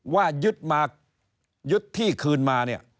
ว่ายึดมายึดที่คืนมาเนี่ย